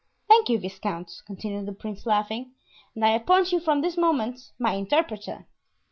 Thank you, viscount," continued the prince, laughing, "and I appoint you from this moment my interpreter."